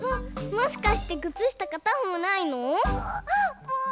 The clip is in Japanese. もしかしてくつしたかたほうないの？